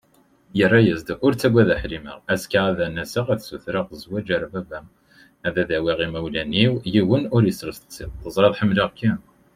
Yerra-as-d: Ur ttaggad a Ḥlima, azekka ad n-aseɣ ad sutreɣ zwaǧ ar baba-m, ad d-awiɣ imawlan-iw, yiwen ur isel tseqsiḍt, teẓriḍ ḥemmleɣ-kem.